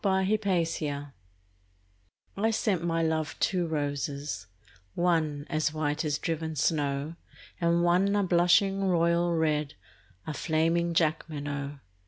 The White Flag I sent my love two roses, one As white as driven snow, And one a blushing royal red, A flaming Jacqueminot.